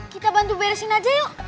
kita bantu beresin aja yuk